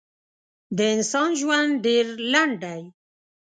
د انسان ژوند ډېر لنډ دی.